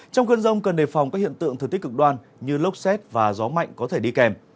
trong cơn rông cần đề phòng các hiện tượng thừa tích cực đoan như lốc xét và gió mạnh có thể đi kèm